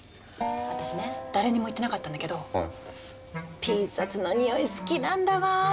私ね誰にも言ってなかったんだけどピン札の匂い好きなんだわあ。